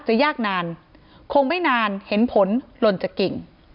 ยากนานคงไม่นานเห็นผลหล่นจากกิ่ง